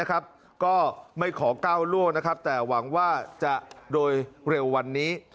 ก็ไม่ขอก้าวล่วงนะครับแต่หวังว่าจะโดยเร็ววันนี้